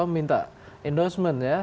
minta endorsement ya